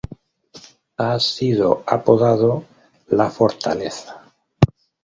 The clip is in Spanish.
Ha sido apodado la "Fortaleza".